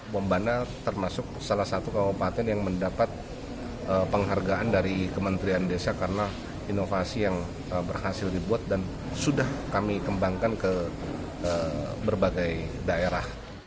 bombana termasuk salah satu kabupaten yang mendapat penghargaan dari kementerian desa karena inovasi yang berhasil dibuat dan sudah kami kembangkan ke berbagai daerah